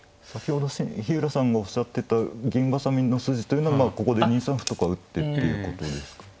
先ほど日浦さんがおっしゃってた銀挟みの筋っていうのはここで２三歩とか打ってってことですか。